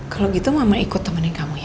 kalo gitu mama ikut temenin kamu ya